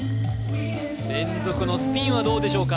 連続のスピンはどうでしょうか？